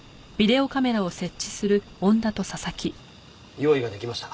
用意が出来ました。